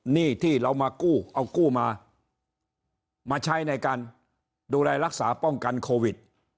หนี้ที่เรามากู้เอากู้มามาใช้ในการดูแลรักษาป้องกันโควิด